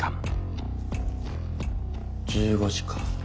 １５時か。